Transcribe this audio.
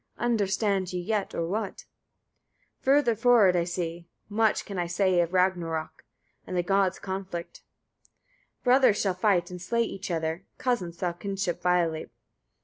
Understand ye yet, or what? 44. Further forward I see, much can I say of Ragnarök and the gods' conflict. 45. Brothers shall fight, and slay each other; cousins shall kinship violate.